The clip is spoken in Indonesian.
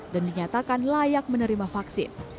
dan dinyatakan layak menerima vaksin